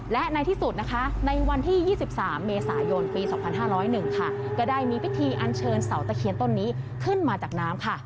และในที่สุดนะคะในวันที่๒๓เมษายนปี๒๕๐๑ค่ะก็ได้มีพิธีอันเชิญเสาตะเคียนต้นนี้ขึ้นมาจากน้ำค่ะ